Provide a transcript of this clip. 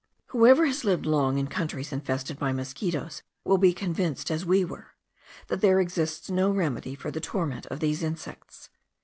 Whoever has lived long in countries infested by mosquitos will be convinced, as we were, that there exists no remedy for the torment of these insects.